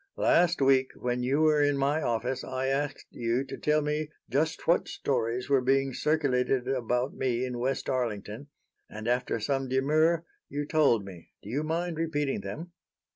Last week when you were in my office I asked you to tell me just what stories were being circulated about me in West Arlington, and after some demur you told me. Do you mind repeating them?"